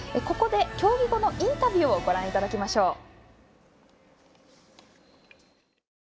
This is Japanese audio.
ここで、競技後のインタビューをご覧いただきましょう。